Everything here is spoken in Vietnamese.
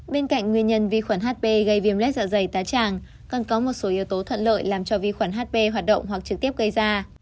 bên cạnh nguyên nhân vi khuẩn hp gây viêm lết dạ dày tái tràng còn có một số yếu tố thuận lợi làm cho vi khuẩn hp hoạt động hoặc trực tiếp gây ra